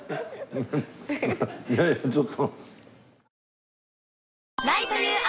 いやいやちょっと。